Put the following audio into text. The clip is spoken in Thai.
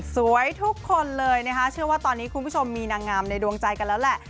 สวยทุกคนเลยนะคะเชื่อว่าตอนนี้คุณผู้ชมมีนางงามในดวงใจกันแล้วแหละ